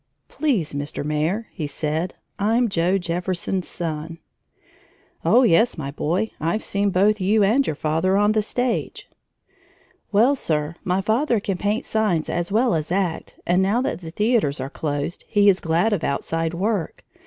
"Please, Mr. Mayor," he said, "I'm Joe Jefferson's son." "Oh, yes, my boy; I've seen both you and your father on the stage." "Well, Sir, my father can paint signs as well as act, and now that the theaters are closed he is glad of outside work.